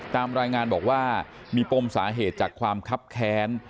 ตามรายงานบอกว่ามีปมสาเหตุจากความคับแค้น